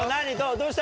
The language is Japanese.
どうした？